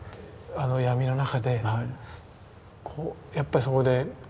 あの闇の中でやっぱりそこで僕はね